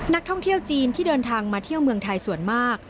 นักท่องเที่ยวจีนที่เดินทางมาเที่ยวเมืองไทยส่วนมาก